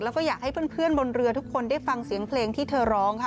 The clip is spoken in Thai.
แล้วก็อยากให้เพื่อนบนเรือทุกคนได้ฟังเสียงเพลงที่เธอร้องค่ะ